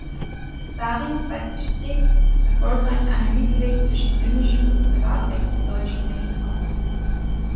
Darin zeigte Stryk erfolgreich einen Mittelweg zwischen römischem Privatrecht und deutschem Recht auf.